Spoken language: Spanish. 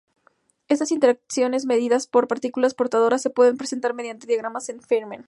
Estas interacciones mediadas por partículas portadoras se pueden representar mediante diagramas de Feynman.